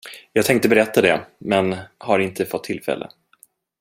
Jag tänkte berätta det, men har inte fått tillfälle.